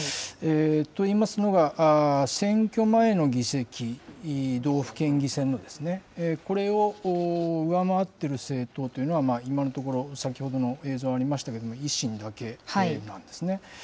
といいますのが、選挙前の議席、道府県議選の、これを上回っている政党というのは、今のところ、先ほどの映像ありましたけども、維新だけなんですね。